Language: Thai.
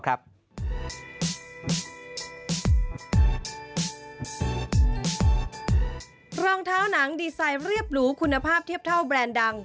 รองเท้าหนังดีไซน์เรียบหรูคุณภาพเทียบเท่าแบรนด์ดัง